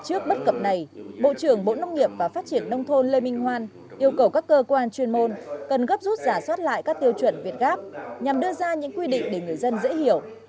trước bất cập này bộ trưởng bộ nông nghiệp và phát triển nông thôn lê minh hoan yêu cầu các cơ quan chuyên môn cần gấp rút giả soát lại các tiêu chuẩn việt gáp nhằm đưa ra những quy định để người dân dễ hiểu